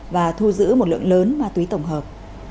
và thu giữ một lượng lớn ma túy tổng hợp